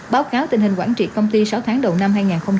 báo cáo tình hình quản trị công ty sáu tháng đầu năm hai nghìn hai mươi ba